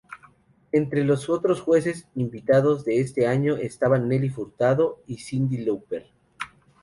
Entre los otros jueces invitados de ese año estaban Nelly Furtado y Cyndi Lauper.